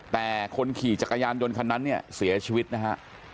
แต่คนขี่จักรยานยนต์คันนั้นเนี่ยเสียชีวิตนะฮะ